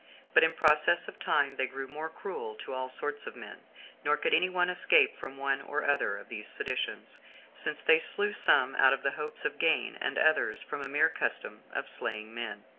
But in process of time they grew more cruel to all sorts of men, nor could any one escape from one or other of these seditions, since they slew some out of the hopes of gain, and others from a mere custom of slaying men.